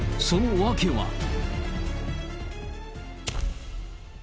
その訳は。